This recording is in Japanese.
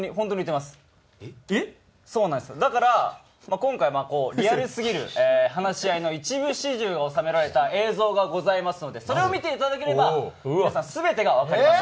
そうなんです、だから今回リアルすぎる話し合いの一部始終が収められた映像がございますのでそれを見ていただければ皆さん全てが分かります。